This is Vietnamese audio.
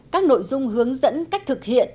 các nội dung hướng dẫn cách thực hiện